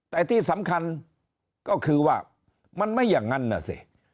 แต่ที่สำคัญก็คือว่ามันไม่อย่างนั้นนะสิ